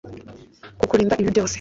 kukurinda ibibi byose,